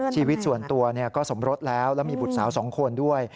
ชีวิตส่วนตัวก็สมรสแล้วแล้วมีบุตรสาว๒คนด้วย